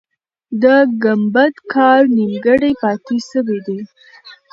د ګمبد کار نیمګړی پاتې سوی دی.